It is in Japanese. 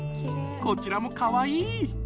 こちらもかわいい！